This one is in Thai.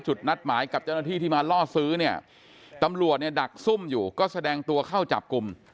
นัดหมายกับเจ้าหน้าที่ที่มาล่อซื้อเนี่ยตำรวจเนี่ยดักซุ่มอยู่ก็แสดงตัวเข้าจับกลุ่ม